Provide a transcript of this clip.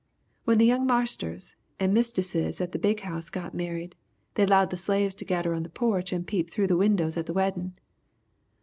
"When the young marsters and mistesses at the big houses got married they 'lowed the slaves to gadder on the porch and peep through the windows at the weddin'.